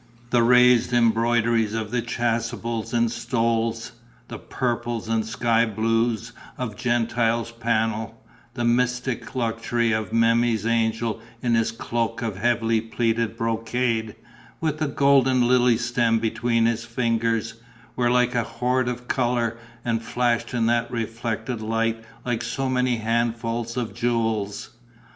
The raised embroideries of the chasubles and stoles, the purples and sky blues of Gentile's panel, the mystic luxury of Memmi's angel in his cloak of heavily pleated brocade, with the golden lily stem between his fingers, were like a hoard of colour and flashed in that reflected light like so many handfuls of jewels.